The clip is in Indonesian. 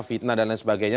fitnah dan lain sebagainya